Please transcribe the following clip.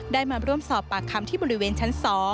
มาร่วมสอบปากคำที่บริเวณชั้น๒